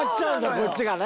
こっちがね。